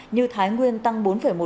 như thái nguyên tăng bốn một